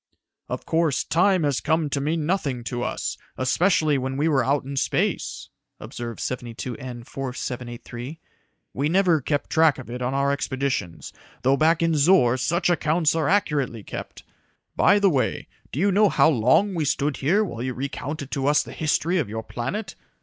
"Of course, time has come to mean nothing to us, especially when we are out in space," observed 72N 4783. "We never keep track of it on our expeditions, though back in Zor such accounts are accurately kept. By the way, do you know how long we stood here while you recounted to us the history of your planet?